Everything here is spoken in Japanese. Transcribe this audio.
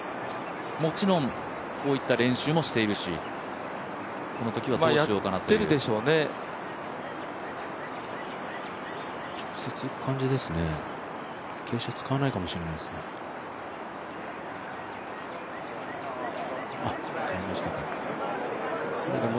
もちろんこういった練習もしているし、このときはどうしようかなという。